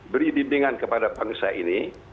beri bimbingan kepada bangsa ini